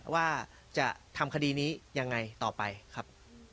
ว่าจะทำคดีนี้ยังไงต่อไปครับ